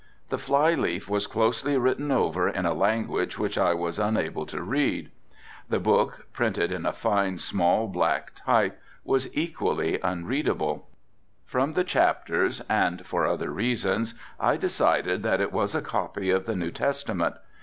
The fly leaf was closely written over in a language which I was unable to read. The book, printed in a fine, small, black type, was equally unreadable. From the chapters and for other reasons I decided that it was a copy of the New Testament.